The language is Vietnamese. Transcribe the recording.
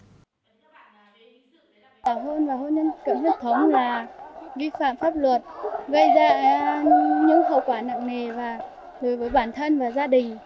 tảo hôn và hôn nhân cận huyết thống là vi phạm pháp luật gây ra những hậu quả nặng nề đối với bản thân và gia đình